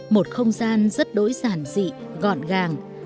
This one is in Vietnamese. một không gian rất đối giản dị gọn gàng